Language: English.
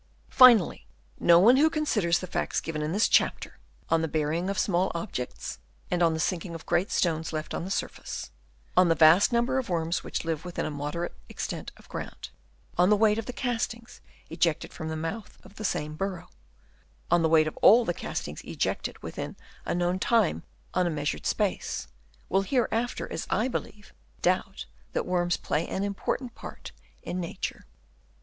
Finally, no one who considers the facts given in this chapter — on the burying of small objects and on the sinking of great stones left on the surface — on the vast number of worms which live within a moderate extent of ground — on the weight of the castings ejected from the mouth of the same burrow — on the weight of all the cast ings ejected within a known time on a measured space — will hereafter, as I believe, doubt that worms play an important part in nature.